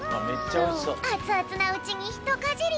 あつあつなうちにひとかじり。